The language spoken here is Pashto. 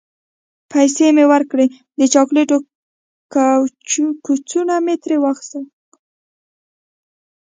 پیسې مې ورکړې، د چاکلیټو کڅوڼه مې ترې واخیستل.